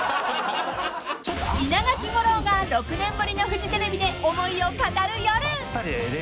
［稲垣吾郎が６年ぶりのフジテレビで思いを語る夜！］